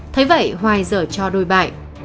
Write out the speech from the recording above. thế vậy hoài dở cho đôi bại